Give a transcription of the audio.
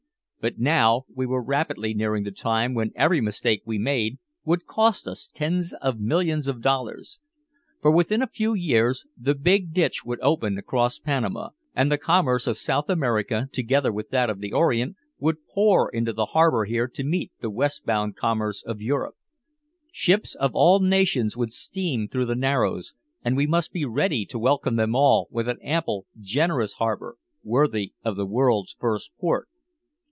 But now we were rapidly nearing the time when every mistake we made would cost us tens of millions of dollars. For within a few years the Big Ditch would open across Panama, and the commerce of South America, together with that of the Orient, would pour into the harbor here to meet the westbound commerce of Europe. Ships of all nations would steam through the Narrows, and we must be ready to welcome them all, with an ample generous harbor worthy of the world's first port.